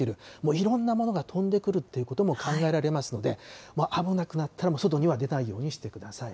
いろんなものが飛んでくるということも考えられますので、危なくなったら、外には出ないようにしてください。